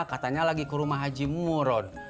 katanya lagi ke rumah haji murun